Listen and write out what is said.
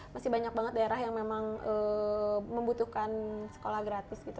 masih banyak banget daerah yang memang membutuhkan sekolah gratis gitu